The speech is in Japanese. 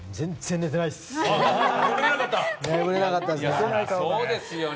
眠れなかったですね。